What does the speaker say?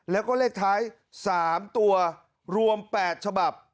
แล้วก็เลขท้าย๓ตัวรวม๘ฉบับ